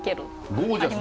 ゴージャス？